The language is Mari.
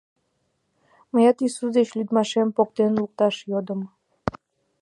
Мыят Иисус деч лӱдмашым поктен лукташ йодым.